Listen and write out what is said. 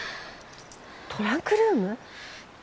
トランクルーム？